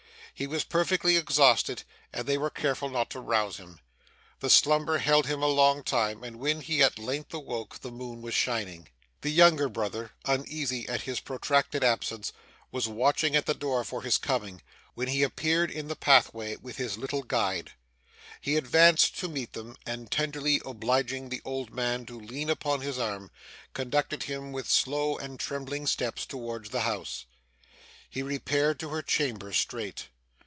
He was perfectly exhausted, and they were careful not to rouse him. The slumber held him a long time, and when he at length awoke the moon was shining. The younger brother, uneasy at his protracted absence, was watching at the door for his coming, when he appeared in the pathway with his little guide. He advanced to meet them, and tenderly obliging the old man to lean upon his arm, conducted him with slow and trembling steps towards the house. He repaired to her chamber, straight.